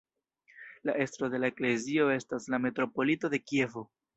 La estro de la eklezio estas la metropolito de Kievo.